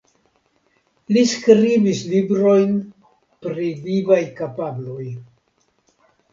Li skribis librojn pri vivaj kapabloj.